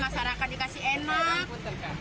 kita masyarakat dikasih enak